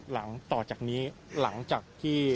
หลังต่อจากนี้หลังจากที่เท่าที่